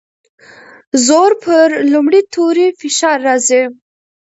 د زور پر لومړي توري فشار راځي.